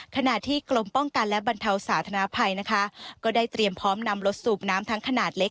ขณะที่กรมป้องกันและบรรเทาสาธนภัยนะคะก็ได้เตรียมพร้อมนำรถสูบน้ำทั้งขนาดเล็ก